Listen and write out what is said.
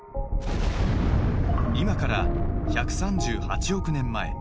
「今から１３８億年前。